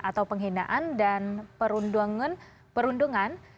atau penghinaan dan perundungan